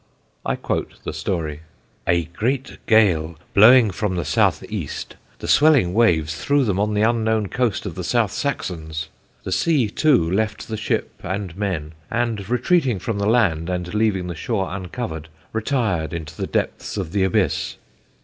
I quote the story: "A great gale blowing from the South east, the swelling waves threw them on the unknown coast of the South Saxons. The sea too left the ship and men, and retreating from the land and leaving the shore uncovered, retired into the depths of the abyss.